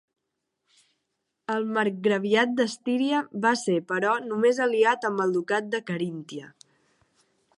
El marcgraviat d'Estíria va ser però només aliat amb el ducat de Caríntia.